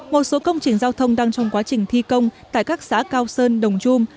một số công trình giao thông đang trong quá trình thi công tại các xã cao sơn đồng chum